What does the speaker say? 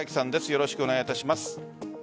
よろしくお願いします。